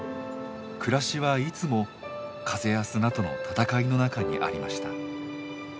暮らしはいつも風や砂との闘いの中にありました。